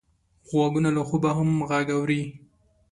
غوږونه له خوبه هم غږ اوري